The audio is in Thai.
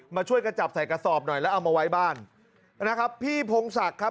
มาช่วยกันจับใส่กระสอบหน่อยแล้วเอามาไว้บ้านนะครับพี่พงศักดิ์ครับ